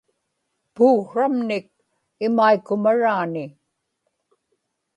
puuksramnik imaikumaraani